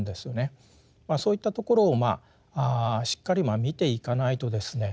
そういったところをまあしっかり見ていかないとですね